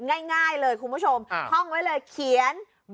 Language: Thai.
อ่ะง่ายเลยคุณผู้ชมทองไว้เลย